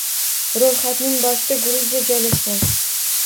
Ro'yxatning boshida Gruziya joylashgan